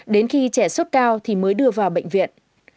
đến khi trẻ sốt cao thì mới đưa vào bệnh viện